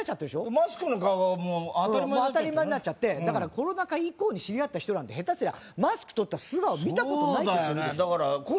マスクの顔が当たり前になって当たり前になっちゃってコロナ禍以降に知り合った人なんてヘタすりゃマスク取った素顔見たことないって人いるでしょ